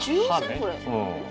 これ。